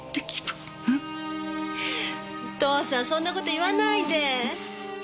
お父さんそんな事言わないで。